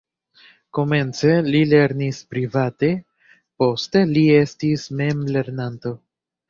Komence li lernis private, poste li estis memlernanto.